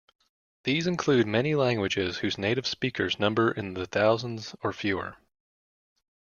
These include many languages whose native speakers number in the thousands or fewer.